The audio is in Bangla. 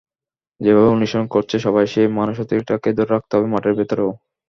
যেভাবে অনুশীলন করছে সবাই, সেই মানসিকতাটাকে ধরে রাখতে হবে মাঠের ভেতরেও।